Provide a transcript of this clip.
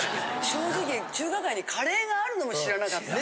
正直中華街にカレーがあるのも知らなかった。